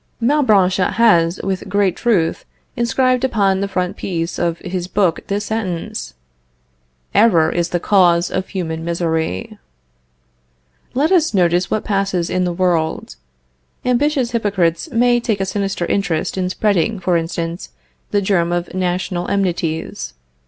Malbranche has, with great truth, inscribed upon the frontispiece of his book this sentence: Error is the cause of human misery. Let us notice what passes in the world. Ambitious hypocrites may take a sinister interest in spreading, for instance, the germ of national enmities.